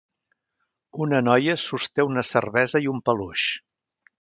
Una noia sosté una cervesa i un peluix.